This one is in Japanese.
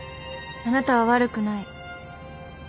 あなたは悪くない。